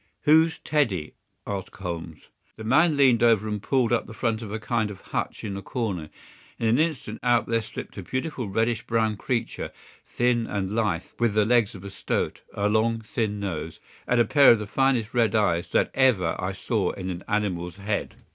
"Who's Teddy?" asked Holmes. The man leaned over and pulled up the front of a kind of hutch in the corner. In an instant out there slipped a beautiful reddish brown creature, thin and lithe, with the legs of a stoat, a long, thin nose, and a pair of the finest red eyes that ever I saw in an animal's head.